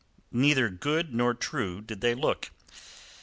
Neither good nor true did they look.